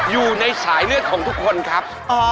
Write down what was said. อยู่ในสายเลือดของทุกคนครับ